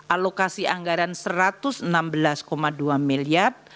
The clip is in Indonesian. alokasi anggaran rp satu ratus enam belas dua miliar